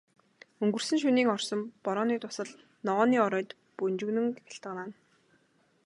Өнгөрсөн шөнийн орсон борооны дусал ногооны оройд бөнжгөнөн гялтганана.